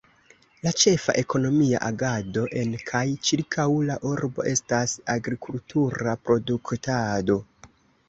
La ĉefa ekonomia agado en kaj ĉirkaŭ la urbo estas agrikultura produktado.